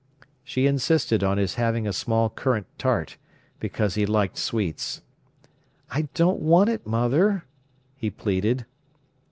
She insisted on his having a small currant tart, because he liked sweets. "I don't want it, mother," he pleaded.